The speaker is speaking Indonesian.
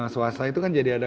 swasta itu kan jadi ada